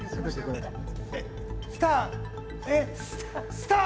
スター。